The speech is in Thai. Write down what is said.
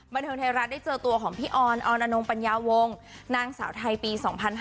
บันเทิงไทยรัฐได้เจอตัวของพี่ออนออนอนนงปัญญาวงนางสาวไทยปี๒๕๕๙